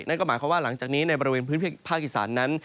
นั่นก็หมายความว่าหลังจากนี้ในบริเวณพื้นที่ภาคอีสานนั้น